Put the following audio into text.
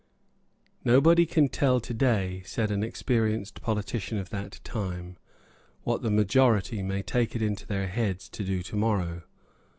"Nobody can tell today," said an experienced politician of that time, "what the majority may take it into their heads to do tomorrow."